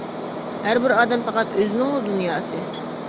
ھەر بىر ئادەم پەقەت ئۆزىنىڭلا دۇنياسى.